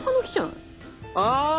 あ！